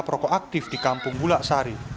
perokok aktif di kampung bulak sari